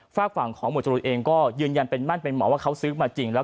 ฝากฝั่งของหมวดจรูนเองก็ยืนยันเป็นมั่นเป็นหมอว่าเขาซื้อมาจริงแล้ว